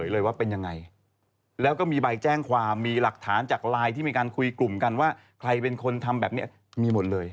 และก็มีใบแจ้งความมีหลักฐานใจการคุยกันว่าใครเป็นคนทำแบบนี้